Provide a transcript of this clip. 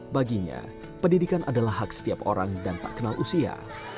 baginya pendidikan adalah hak setiap orang dan tak kenal usia